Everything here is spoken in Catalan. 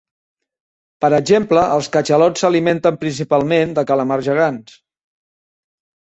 Per exemple els catxalots s'alimenten principalment de calamars gegants.